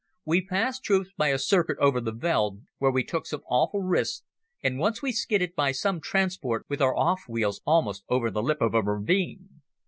We passed troops by a circuit over the veld, where we took some awful risks, and once we skidded by some transport with our off wheels almost over the lip of a ravine.